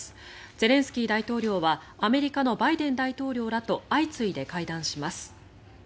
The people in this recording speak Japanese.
ゼレンスキー大統領はアメリカのバイデン大統領らと相次いで会談します。